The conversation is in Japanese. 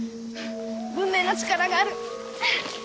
文明の力がある！